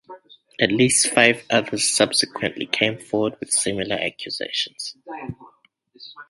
At least five others subsequently came forward with similar accusations.